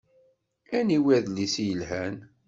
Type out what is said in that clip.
Aniwi adlis i yelhan?